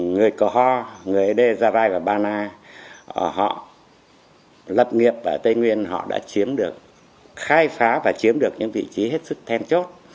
người cờ ho người ede già rai và ba na họ lập nghiệp ở tây nguyên họ đã chiếm được khai phá và chiếm được những vị trí hết sức then chốt